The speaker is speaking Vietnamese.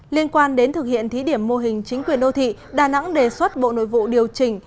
liên quan đến thực hiện thí điểm mô hình chính quyền đô thị đà nẵng đề xuất bộ nội vụ điều chỉnh